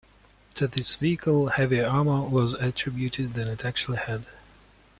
To this vehicle heavier armor was attributed than it actually had.